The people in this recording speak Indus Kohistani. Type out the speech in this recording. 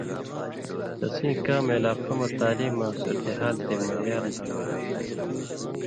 تسیں کام علاقہ مہ تعلیماں، صورتحال تے معیار نھالؤں ہوتُھو۔